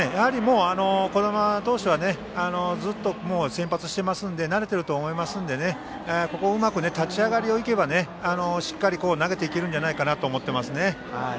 児玉投手はずっと先発していますので慣れていると思いますので立ち上がりがうまくいけばしっかり慣れていけるんじゃないかと思っていますね。